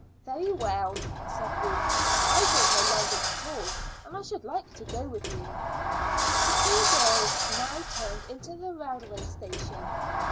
"Very well," said Ruth. "I don't know London at all, and I should like to go with you." The two girls now turned into the railway station.